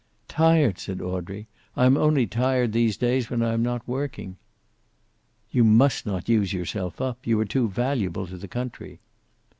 "Tired!" said Audrey. "I am only tired these days when I am not working." "You must not use yourself up. You are too valuable to the country."